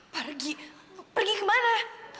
pergi pergi kemana